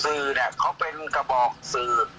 แม่ยังคงมั่นใจและก็มีความหวังในการทำงานของเจ้าหน้าที่ตำรวจค่ะ